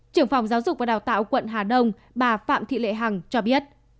trưởng phòng giáo dục và đào tạo quận hà đông bà phạm thị lệ hằng cho biết